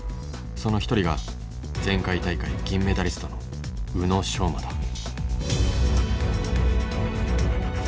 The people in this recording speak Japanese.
その一人が前回大会銀メダリストの宇野昌磨だ。